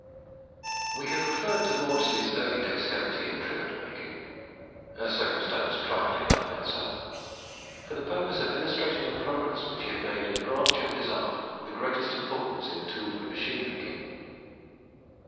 We have referred to Maudslay's early dexterity in trivet making a circumstance trifling enough in itself for the purpose of illustrating the progress which he had made in a branch of his art of the greatest importance in tool and machine making.